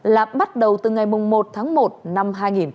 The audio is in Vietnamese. là bắt đầu từ ngày một tháng một năm hai nghìn hai mươi